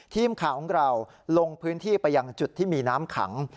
ทีมข่าวของเราลงพื้นที่ไปยังจุดที่มีน้ำขัง